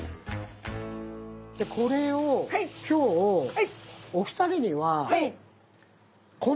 でこれを今日お二人には。今日は。